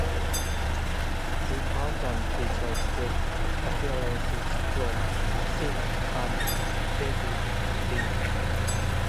The album features guest appearances from Syd and Devlin.